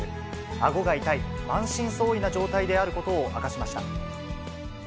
あごが痛い、満身創痍な状態であることを明かしました。